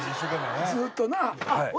ずっとな。